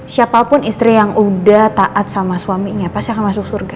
siapapun istri yang udah taat sama suaminya pasti akan masuk surga